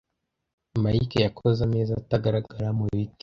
Mike yakoze ameza atagaragara mu biti.